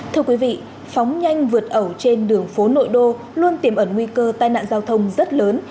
thưa quý vị phóng nhanh vượt ẩu trên đường phố nội đô luôn tiềm ẩn nguy cơ tai nạn giao thông rất lớn